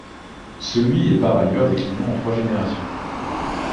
Celui est par ailleurs décliné en trois générations.